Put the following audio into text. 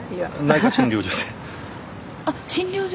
あっ診療所。